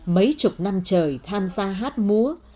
mấy chục năm trời tham gia hát múa